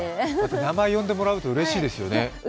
名前を呼んでもらえるとうれしいですよね。